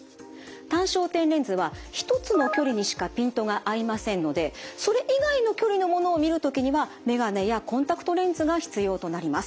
単焦点レンズは一つの距離にしかピントが合いませんのでそれ以外の距離のものを見る時には眼鏡やコンタクトレンズが必要となります。